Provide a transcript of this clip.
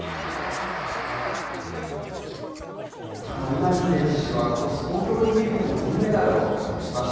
稲見選手はことし東京オリンピックでも銀メダルを獲得しました。